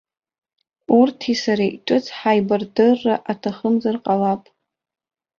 Урҭи сареи ҿыц ҳаибардырра аҭахымзар ҟалап.